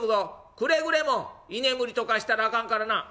くれぐれも居眠りとかしたらあかんからな」。